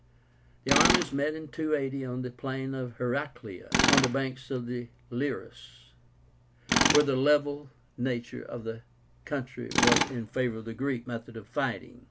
The armies met in 280 on the plain of HERACLÉA, on the banks of the Liris, where the level nature of the country was in favor of the Greek method of fighting.